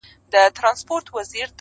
ځناورو هري خوا ته كړلې منډي،